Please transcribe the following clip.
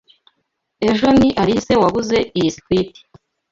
Ejo ni Alice waguze iyi skirt.